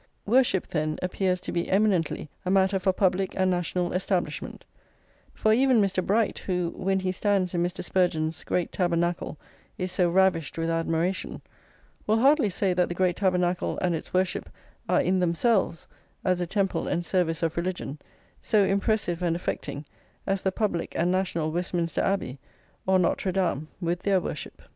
Worship, then, appears to be eminently a matter for public and national establishment; for even Mr. Bright, who, when he stands in Mr. Spurgeon's great Tabernacle is so ravished with admiration, will hardly say that the great Tabernacle and its worship are in themselves, as a temple and service of religion, so impressive and affecting as the public and national Westminster Abbey, or Notre Dame, with their worship.